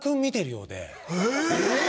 えっ！